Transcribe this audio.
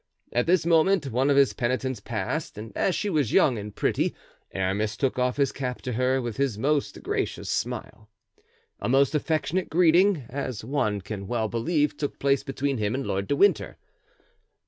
At this moment one of his penitents passed, and as she was young and pretty Aramis took off his cap to her with his most gracious smile. A most affectionate greeting, as one can well believe took place between him and Lord de Winter.